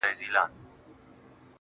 خوبيا هم ستا خبري پټي ساتي.